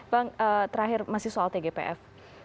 bang terakhir masih soal tgpf